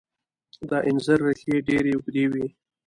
د انځر ریښې ډیرې اوږدې وي.